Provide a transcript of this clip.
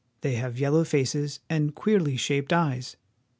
They have yellow faces and queerly shaped eyes.